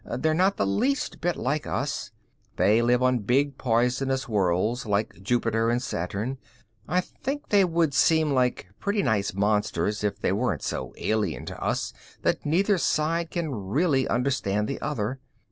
They are not the least bit like us; they live on big, poisonous worlds like Jupiter and Saturn. I think they would seem like pretty nice monsters if they weren't so alien to us that neither side can really understand the other.